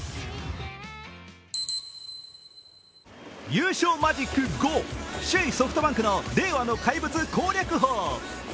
優勝マジック５、首位ソフトバンクの令和の怪物攻略法。